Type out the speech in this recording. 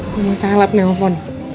gue masih alat nih nelfon